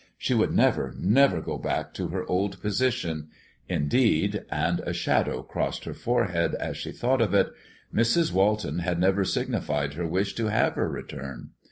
She would never, never go back to her old position; indeed, and a shadow crossed her forehead as she thought of it, Mrs. Walton had never signified her wish to have her return.